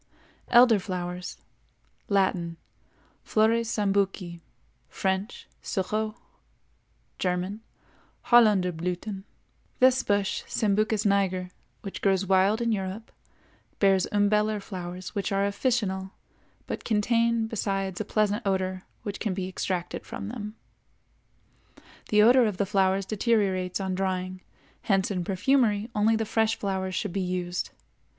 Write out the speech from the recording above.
ELDER FLOWERS. Latin—Flores Sambuci; French—Sureau; German—Hollunderblüthen. This bush, Sambucus niger, which grows wild in Europe, bears umbellar flowers which are officinal, but contain besides a pleasant odor which can be extracted from them. The odor of the flowers deteriorates on drying, hence in perfumery only the fresh flowers should be used.